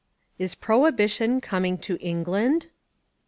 Is Prohibition Coming to England?